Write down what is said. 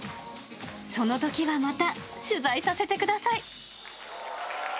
そのときはまた、取材させてください。